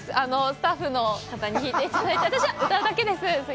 スタッフの方に弾いていただいて、私は歌うだけです。